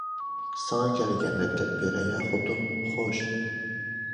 ساڭا كەلگەندە دەپ بېرەي ھە خوتۇن؟ خوش!